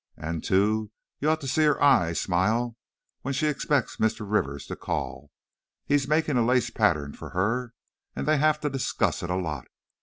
And, too, you ought to see her eyes smile when she expects Mr. Rivers to call! He's making a lace pattern for her, and they have to discuss it a lot!